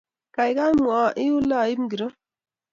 Kaikai mwoiwo iule aip ngiro